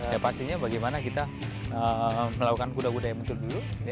ya pastinya bagaimana kita melakukan kuda kuda yang betul dulu